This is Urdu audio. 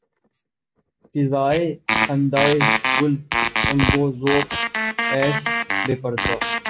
فضائے خندۂ گل تنگ و ذوق عیش بے پردا